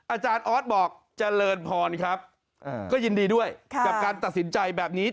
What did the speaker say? อาจารย์ออสบอกเจริญพรครับก็ยินดีด้วยกับการตัดสินใจแบบนี้